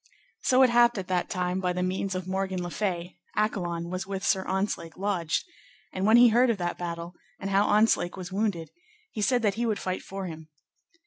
So it happed at that time, by the means of Morgan le Fay, Accolon was with Sir Ontzlake lodged; and when he heard of that battle, and how Ontzlake was wounded, he said that he would fight for him.